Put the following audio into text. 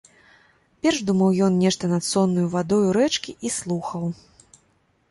Перш думаў ён нешта над соннаю вадою рэчкі і слухаў.